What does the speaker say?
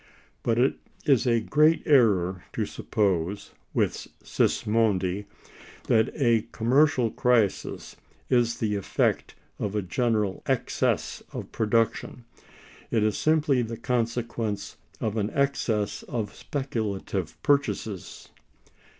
But it is a great error to suppose, with Sismondi, that a commercial crisis is the effect of a general excess of production. It is simply the consequence of an excess of speculative purchases.